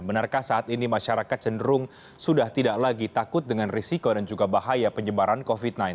benarkah saat ini masyarakat cenderung sudah tidak lagi takut dengan risiko dan juga bahaya penyebaran covid sembilan belas